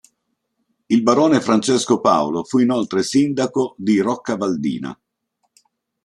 Il barone Francesco Paolo fu inoltre Sindaco di Roccavaldina.